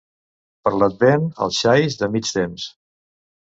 Per l'advent, els xais de mig temps.